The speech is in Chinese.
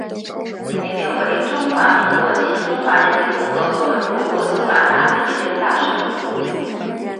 本列表为中华民国及中华人民共和国驻博茨瓦纳历任大使名录。